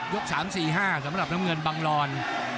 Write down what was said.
๓๔๕สำหรับน้ำเงินบังลอน